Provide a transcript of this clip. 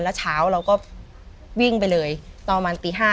แล้วฉัวเราก็วิ่งไปเลยต่อมาตีห้า